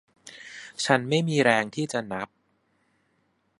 ฉันไม่มีแรงที่จะนับ